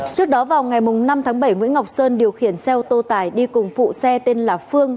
trước đó vào ngày năm tháng bảy nguyễn ngọc sơn điều khiển xe ô tô tải đi cùng phụ xe tên là phương